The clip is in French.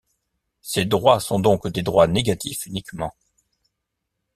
Ces droits sont donc des droits négatifs uniquement.